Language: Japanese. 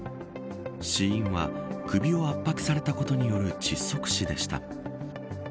死因は首を圧迫されたことによる窒息死でした。